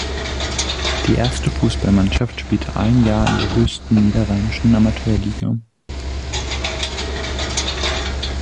Die erste Fußballmannschaft spielte ein Jahr in der höchsten niederrheinischen Amateurliga.